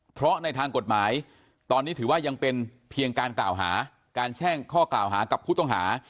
เพราะในทางกฎหมายตอนนี้ถือว่ายังเป็นเพียงการกล่าวหาการแช่งข้อกล่าวหากับผู้ต้องหา